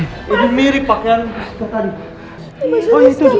ini mirip pakaian rizka tadi